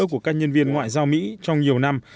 của các nhân viên ngoại giao mỹ trong nhiều năm